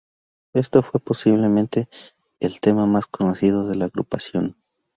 Este fue, posiblemente, el tema más conocido de la agrupación.